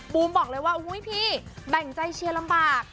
บอกเลยว่าอุ้ยพี่แบ่งใจเชียร์ลำบาก